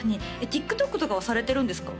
確かにＴｉｋＴｏｋとかはされてるんですか？